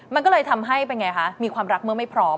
มันก็เลยทำให้เป็นไงคะมีความรักเมื่อไม่พร้อม